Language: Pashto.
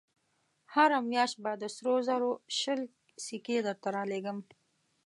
هره مياشت به د سرو زرو شل سيکې درته رالېږم.